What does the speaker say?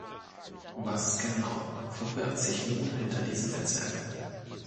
Was genau verbirgt sich nun hinter diesem Netzwerk?